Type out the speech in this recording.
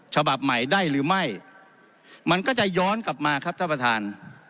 ฉบับใหม่ได้หรือไม่มันก็จะย้อนกลับมาครับท่านประธาน